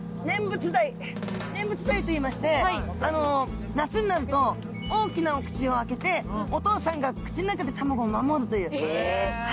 ネンブツダイといいまして夏になると大きなお口を開けてお父さんが口の中で卵を守るという。